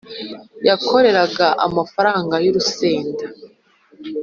yakoreraga amafaranga yurusenda